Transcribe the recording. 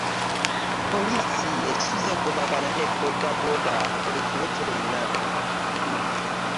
Poliisi esuze egobagana ne booda booda ekiro kyonna.